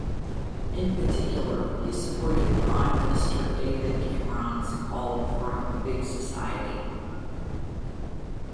In particular, he supported Prime Minister David Cameron's call for a "Big Society".